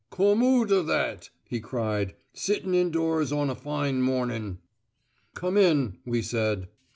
"Come oot a' that!" he cried. "Sittin' indoors on a fine mornin'." "Come in," we said.